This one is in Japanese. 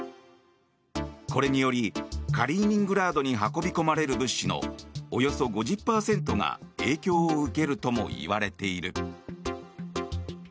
これによりカリーニングラードに運び込まれる物資のおよそ５０％が影響を受けるともいわれている。